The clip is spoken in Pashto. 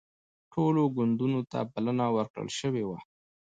ټولو ګوندونو ته بلنه ورکړل شوې وه